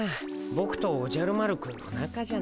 ボクとおじゃる丸くんの仲じゃない。